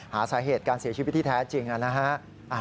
หาสาเหตุการเสียชีวิตที่แท้จริงนะฮะ